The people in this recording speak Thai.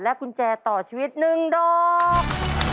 กุญแจต่อชีวิต๑ดอก